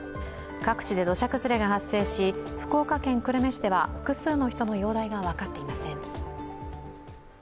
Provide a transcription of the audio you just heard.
各地で土砂崩れが発生し、福岡県久留米市では複数の人の容体が分かっていません。